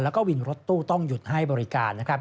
แล้วก็วินรถตู้ต้องหยุดให้บริการนะครับ